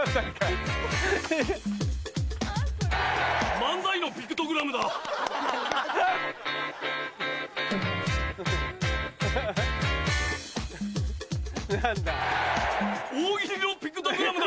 漫才のピクトグラムだ。ハッ！何だ？